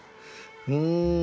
うん。